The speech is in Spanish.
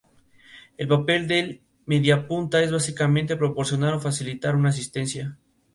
En este salón se realizaba la vida de los habitantes de la torre.